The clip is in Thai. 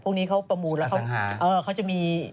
พวกนี้เขาประมูลแล้วเขาจะมี